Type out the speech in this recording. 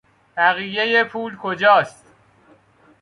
بقیهی پول کجاست؟